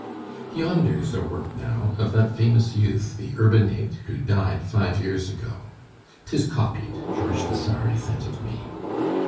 Yonder's a work now, of that famous youth The Urbinate who died five years ago. ('Tis copied, George Vasari sent it me.)